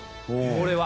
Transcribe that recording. これは？